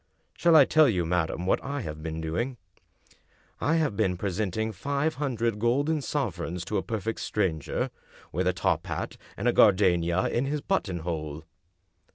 Shall I tell you, madam, what I "have been doing? I have been presenting five hundred golden sovereigns to a perfect stranger, with a top hat, and a gardenia in his buttonhole."